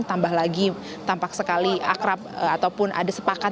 tambah lagi tampak sekali akrab ataupun ada sepakat